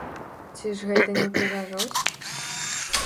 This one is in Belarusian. Ці ж гэта не прыгажосць?